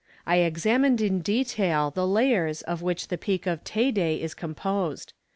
I examined in detail the layers of which the peak of Teyde is composed.